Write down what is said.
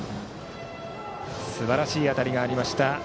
すばらしい当たりがありました。